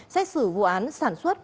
xét xử vụ án sản xuất